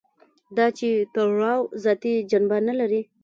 دا چې تړاو ذاتي جنبه نه لري.